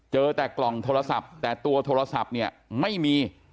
เจอแต่กล่องโทรศัพท์แต่ตัวโทรศัพท์เนี่ยไม่มี